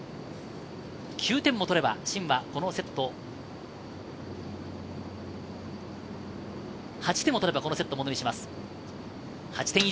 ９点を取ればシンは、このセット、８点を取れば、このセットをものにします。